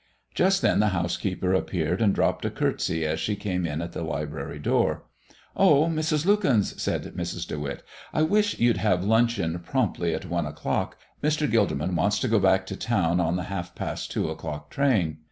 Just then the housekeeper appeared and dropped a courtesy as she came in at the library doorway. "Oh, Mrs. Lukens," said Mrs. De Witt, "I wish you'd have luncheon promptly at one o'clock. Mr. Gilderman wants to go back to town on the half past two o'clock train."